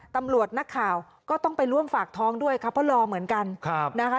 ตำน่ะไปร่วมฝากท้องด้วยครับเพราะรอเหมือนกันนะคะ